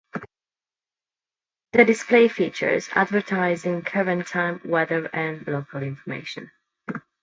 The display features advertising, current time, weather and local information.